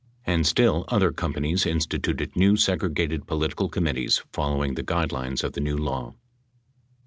And, still other companies instituted new segregated political committees fol lowing the guidelines of the new law.